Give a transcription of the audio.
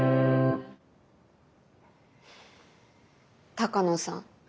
・鷹野さん